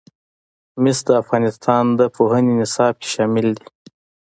مس د افغانستان د پوهنې نصاب کې شامل دي.